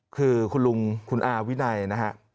คือคุณลุงคุณอาวินัยนะฮะ